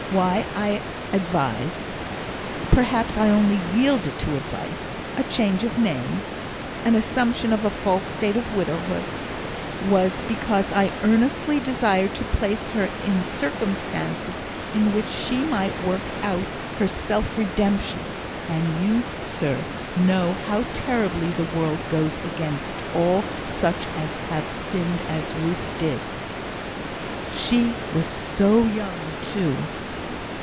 Why I advised (perhaps I only yielded to advice) a change of name an assumption of a false state of widowhood was because I earnestly desired to place her in circumstances in which she might work out her self redemption; and you, sir, know how terribly the world goes against all such as have sinned as Ruth did. She was so young, too."